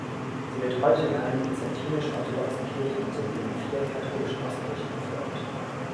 Sie wird heute in allen byzantinisch-orthodoxen Kirchen sowie in vielen katholischen Ostkirchen befolgt.